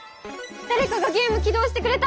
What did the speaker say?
だれかがゲーム起動してくれた！